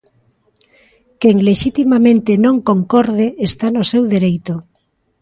Quen, lexitimamente, non concorde está no seu dereito.